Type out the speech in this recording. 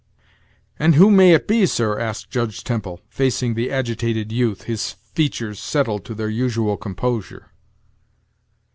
"And who may it be, sir?" asked Judge Temple, facing the agitated youth, his features settled to their usual composure.